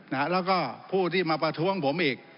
แล้วก็ผู้ที่มาประท้วงผมอีก